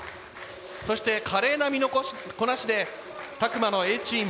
そして華麗な身のこなしで詫間のＡチーム。